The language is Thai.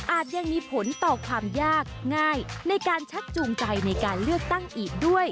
ยังมีผลต่อความยากง่ายในการชักจูงใจในการเลือกตั้งอีกด้วย